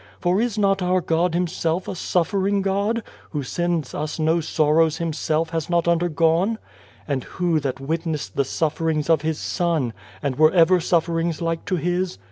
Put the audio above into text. For is not our God Himself a suffering God, who sends us no sorrows Himself has not undergone? And who that witnessed the sufferings of His Son and were ever sufferings like to His?